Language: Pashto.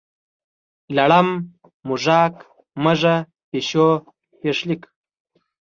لړم، موږک، مږه، پیشو، پیښلیک.